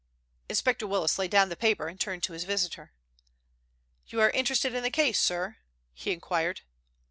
Inspector Willis laid down the paper and turned to his visitor. "You are interested in the case, sir?" he inquired.